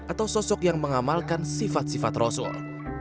atau sosok yang mengamalkan sifat sifat rasul